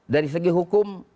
dari segi hukum